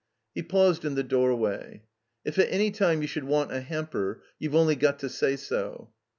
He paused in the doorway. "If at any time you should want a hamper, youVe only got to say so."